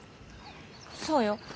そうよ。